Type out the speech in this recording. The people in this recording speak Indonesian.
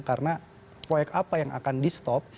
karena proyek apa yang akan di stop